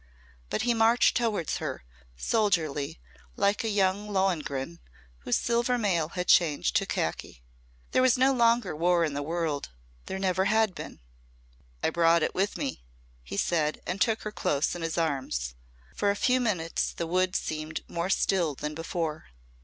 But he marched towards her, soldierly like a young Lohengrin whose silver mail had changed to khaki. There was no longer war in the world there never had been. "I brought it with me," he said and took her close in his arms. For a few minutes the wood seemed more still than before.